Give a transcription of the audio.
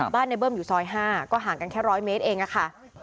ในเบิ้มอยู่ซอย๕ก็ห่างกันแค่๑๐๐เมตรเองค่ะ